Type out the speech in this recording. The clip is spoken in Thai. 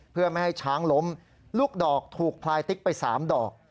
เพื่อไม่ให้ช้างล้มลูกดอกถูกพลายติ๊กไป๓ดอก